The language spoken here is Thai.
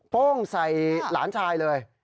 โป้งใส่หลานชายเลย